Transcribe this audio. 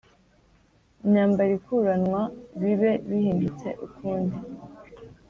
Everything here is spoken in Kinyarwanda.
Imyambaro ikuranwa bibe bihindutse ukundi